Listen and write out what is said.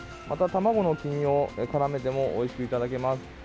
また、卵の黄身を絡めてもおいしくいただけます。